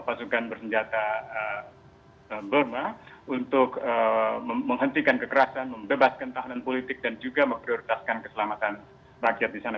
pasukan bersenjata burma untuk menghentikan kekerasan membebaskan tahanan politik dan juga memprioritaskan keselamatan rakyat di sana